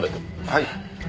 はい。